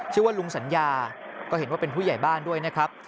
ชื่อว่าลุงสัญญาก็เห็นว่าเป็นผู้ใหญ่บ้านด้วยนะครับ